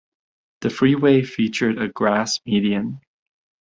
The freeway featured a grass median.